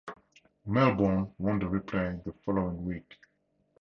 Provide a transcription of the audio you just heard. Melbourne won the replay the following week.